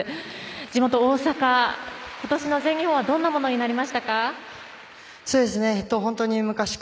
地元・大阪、今年の全日本はどんなものになりましたか？